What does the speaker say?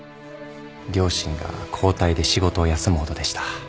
両親が交代で仕事を休むほどでした。